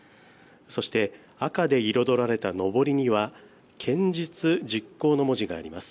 そして赤で彩られたのぼりには堅実実行の文字があります。